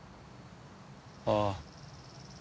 ああ。